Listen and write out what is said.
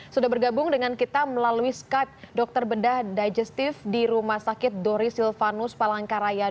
sudah bergabung dengan kita melalui skype dokter bedah digestif di rumah sakit doris silvanus palangkaraya